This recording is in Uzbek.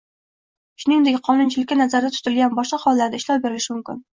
shuningdek qonunchilikda nazarda tutilgan boshqa hollarda ishlov berilishi mumkin.